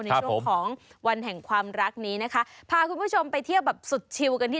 ในช่วงของวันแห่งความรักนี้นะคะพาคุณผู้ชมไปเที่ยวแบบสุดชิวกันที่